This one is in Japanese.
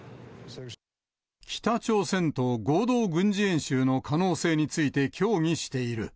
北朝鮮と合同軍事演習の可能性について協議している。